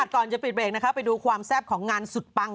ก่อนจะปิดเบรกนะคะไปดูความแซ่บของงานสุดปัง